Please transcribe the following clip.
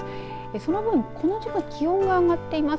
その分、この時間気温が上がっています。